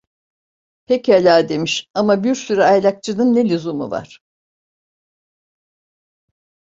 Pekala demiş, "ama bir sürü aylakçının ne lüzumu var?"